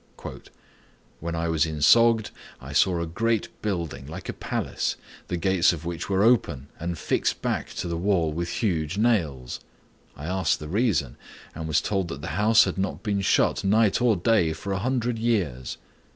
"When I was in Sogd I saw a great building, like a palace, the gates of which were open and fixed back to the wall with large nails. I asked the reason, and was told that the house had not been shut, night or day, for a hundred years.